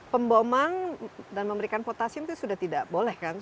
pemboman dan memberikan potasium itu sudah tidak boleh kan